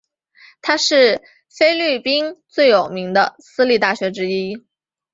它是菲律宾最有名的私立大学之一。